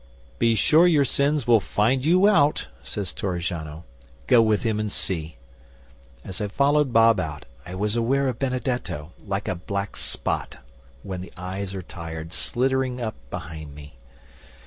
'"Be sure your sins will find you out," says Torrigiano. "Go with him and see." As I followed Bob out I was aware of Benedetto, like a black spot when the eyes are tired, sliddering up behind me.